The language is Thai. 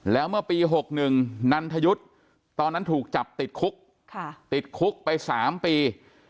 แล้วเมื่อปี๖๑นันทยุทธ์ตอนนั้นถูกจับติดคุกติดคุกไป๓ปี